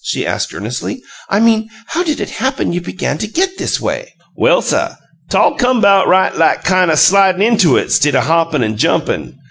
she asked, earnestly. "I mean, how did it happen you began to get this way?" "Well, suh, 'tall come 'bout right like kine o' slidin' into it 'stid o' hoppin' an' jumpin'.